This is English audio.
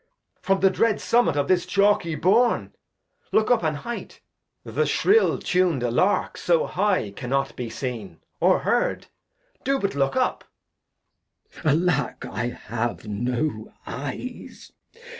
From the dread Summet of this chalky Bourn : Look up, an Height, the shrill tun'd Lark so high Cannot be seen, or heard ; do but look up. Glost. Alack, I have no Eyes.